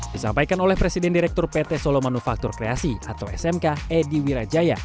disampaikan oleh presiden direktur pt solo manufaktur kreasi atau smk edi wirajaya